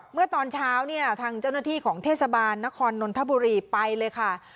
เมื่อตอนเช้าเนี่ยทางเจ้าหน้าที่ของเทศบาลนครนนทบุรีไปเลยค่ะ